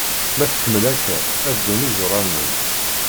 Ma tkemmel akka, ad d-ddun izuranen.